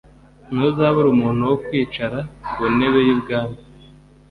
Ntuzabura umuntu wo kwicara ku ntebe y ubwami